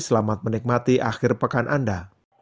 selamat menikmati akhir pekan anda